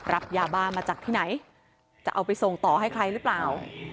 รับยาบ้ามาจากที่ไหนจะเอาไปส่งต่อให้ใครหรือเปล่า